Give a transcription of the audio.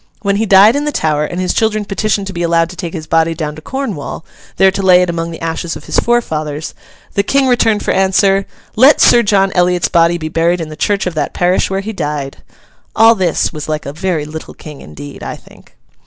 When he died in the Tower, and his children petitioned to be allowed to take his body down to Cornwall, there to lay it among the ashes of his forefathers, the King returned for answer, 'Let Sir John Eliot's body be buried in the church of that parish where he died.' All this was like a very little King indeed, I think.